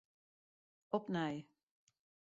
Opnij.